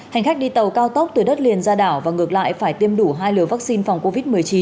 hành khách đi tàu cao tốc từ đất liền ra đảo và ngược lại phải tiêm đủ hai liều vaccine phòng covid một mươi chín